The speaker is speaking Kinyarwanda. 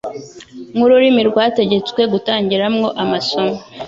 nk'iuruirimi rwategetswe gutangiramwo amasomo